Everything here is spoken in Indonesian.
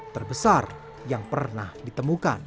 terbesar yang pernah ditemukan